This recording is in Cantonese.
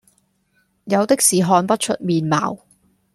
有的是看不出面貌，